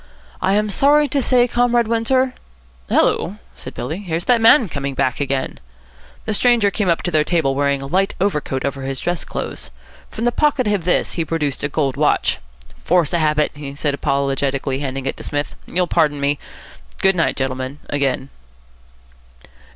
"I am sorry to say, Comrade Windsor " "Hullo," said Billy, "here's that man coming back again." The stranger came up to their table, wearing a light overcoat over his dress clothes. From the pocket of this he produced a gold watch. "Force of habit," he said apologetically, handing it to Psmith. "You'll pardon me. Good night, gentlemen, again."